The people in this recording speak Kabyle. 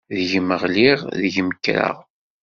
Deg-m ɣliɣ, deg-m kkreɣ.